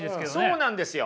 そうなんですよ。